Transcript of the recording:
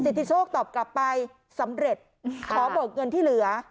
ธิโชคตอบกลับไปสำเร็จขอเบิกเงินที่เหลือ